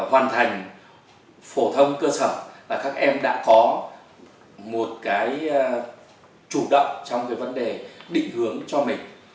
để hoàn thành phổ thông cơ sở là các em đã có một cái chủ động trong cái vấn đề định hướng cho mình